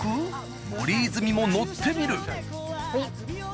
森泉も乗ってみる。